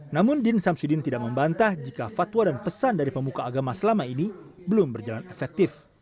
namun din samsudin tidak membantah jika fatwa dan pesan dari pemuka agama selama ini belum berjalan efektif